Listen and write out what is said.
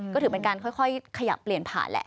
ก็ถือเป็นการค่อยขยับเปลี่ยนผ่านแหละ